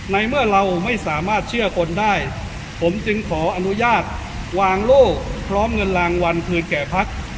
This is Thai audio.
ในเมื่อเราไม่สามารถเชื่อคนได้ผมจึงขออนุญาตวางโล่พร้อมเงินรางวัลคืนแก่พัก